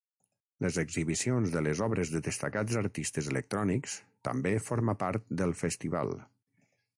Les exhibicions de les obres de destacats artistes electrònics també forma part del festival.